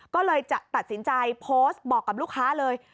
ก็เลยจะตัดสินใจโพสต์บอกกับลูกค้าเลย